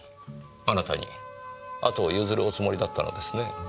あなたに後を譲るおつもりだったのですね。